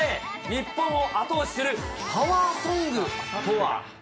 日本を後押しするパワーソングとは。